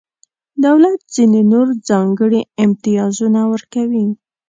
دولت ځینې نور ځانګړي امتیازونه ورکوي.